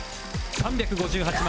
３５８万！？